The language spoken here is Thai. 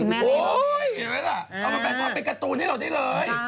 เอามาเป็นความเป็นการตูนให้เราได้เลย